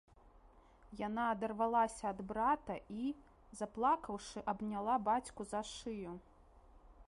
Яна адарвалася ад брата і, заплакаўшы, абняла бацьку за шыю.